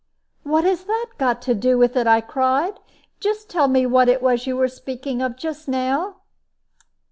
"What has that got to do with it!" I cried. "Just tell me what it was you were speaking of just now."